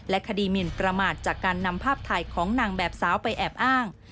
คดีหมินประมาทจากการนำภาพถ่ายของนางแบบสาวไปแอบอ้าง